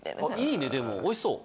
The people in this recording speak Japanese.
いいねでもおいしそう。